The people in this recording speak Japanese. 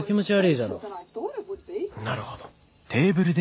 なるほど。